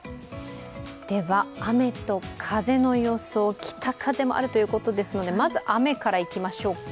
では雨と風の予想、北風もあるということですのでまず雨からいきましょうか。